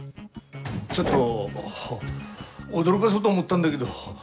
ちょっと驚がそうと思ったんだげど。